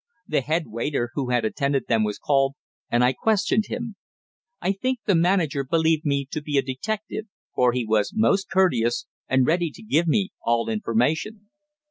The head waiter who had attended them was called, and I questioned him. I think the manager believed me to be a detective, for he was most courteous, and ready to give me all information.